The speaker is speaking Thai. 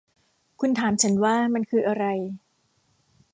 คุณถามฉันว่ามันคืออะไร